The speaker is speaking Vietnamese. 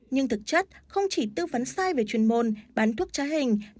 nhưng thực chất không chỉ tư vấn sai về chuyên môn bán thuốc trá hình